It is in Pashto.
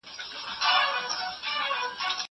زه مخکي سړو ته خواړه ورکړي وو!